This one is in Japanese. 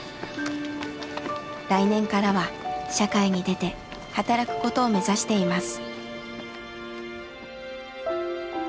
来年からは社会に出て働くことを目指しています。